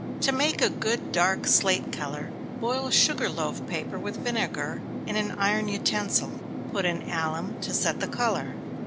_ To make a good dark slate color, boil sugar loaf paper with vinegar, in an iron utensil put in alum to set the color.